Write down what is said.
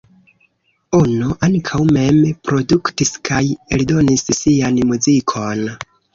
Ono ankaŭ mem produktis kaj eldonis sian muzikon.